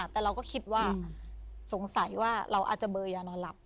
แต่เราก็คิดว่าสงสัยว่าเราอาจจะเบอร์ยานอนหลับ